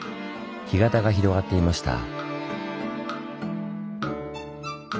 干潟が広がっていました。